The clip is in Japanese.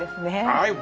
はい。